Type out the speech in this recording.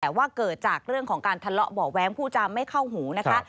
แต่ว่าเกิดจากเรื่องของการทะเลาะเบาะแว้งผู้จำไม่เข้าหูนะคะ